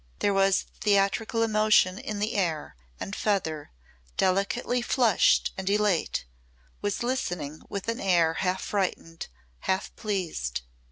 There was theatrical emotion in the air and Feather, delicately flushed and elate, was listening with an air half frightened, half pleased.